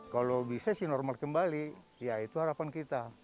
kalau bisa sih normal kembali ya itu harapan kita